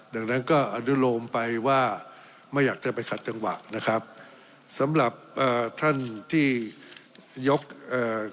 ดังนั้นก็อนุโลมไปว่าไม่อยากจะไปขัดจังหวะนะครับสำหรับเอ่อท่านที่ยกเอ่อ